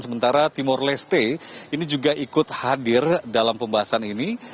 sementara timor leste ini juga ikut hadir dalam pembahasan ini